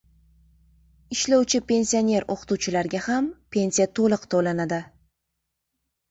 Ishlovchi pensioner o‘qituvchilarga ham pensiya to‘liq to‘lanadi